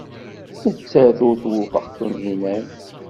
Nettat ur twufeq Tunhinan.